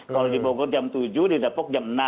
kalau di bogor jam tujuh di depok jam enam